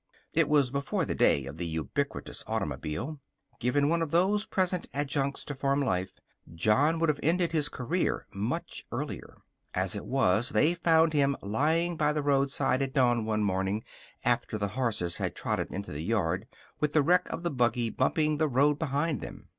It was before the day of the ubiquitous automobile. Given one of those present adjuncts to farm life, John would have ended his career much earlier. As it was, they found him lying by the roadside at dawn one morning after the horses had trotted into the yard with the wreck of the buggy bumping the road behind them.